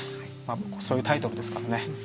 そういうタイトルですからね。